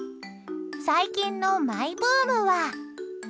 最近のマイブームは。